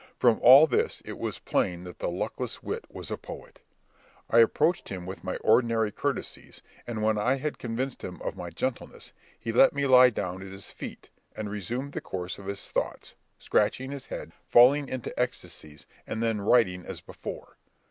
From all this, it was plain that the luckless wight was a poet. I approached him with my ordinary courtesies, and when I had convinced him of my gentleness, he let me lie down at his feet, and resumed the course of his thoughts, scratching his head, falling into ecstacies, and then writing as before.